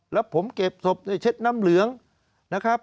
แล้วผมเก็บศพในเช็ดน้ำเหลืองนะครับ